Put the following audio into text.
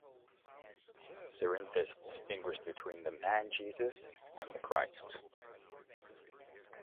Cerinthus distinguished between the man Jesus and the Christ.